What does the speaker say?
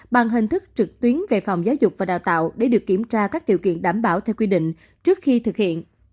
bằng hình thức trực tuyến về phòng giáo dục và đào tạo để được kiểm tra các điều kiện đảm bảo theo quy định trước khi thực hiện